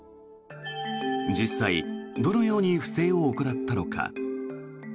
実際どのように不正を行ったのか。